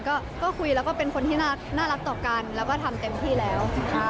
ก็คุยแล้วก็เป็นคนที่น่ารักต่อกันแล้วก็ทำเต็มที่แล้ว